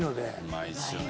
うまいですよね。